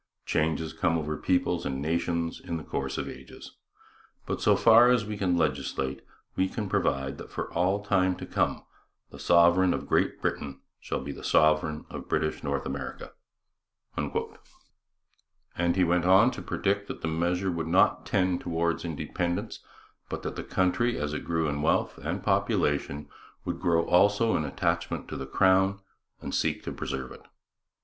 Changes come over peoples and nations in the course of ages. But so far as we can legislate, we provide that for all time to come the sovereign of Great Britain shall be the sovereign of British North America. And he went on to predict that the measure would not tend towards independence, but that the country, as it grew in wealth and population, would grow also in attachment to the crown and seek to preserve it.